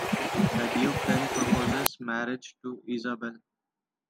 The Duke then proposes marriage to Isabella.